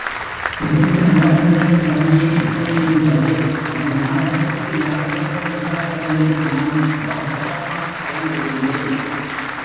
தெலுங்கு நாடகங்களின் கதியே இப்படியிருந்ததே, தமிழ் நாடகத்திற்கு யார் வரப் போகிறார்களென்று நான் வாஸ்தவமாய்ப் பயந்திருந்தேன்.